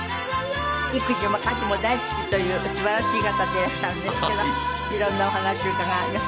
育児も家事も大好きというすばらしい方でいらっしゃるんですけど色んなお話伺います。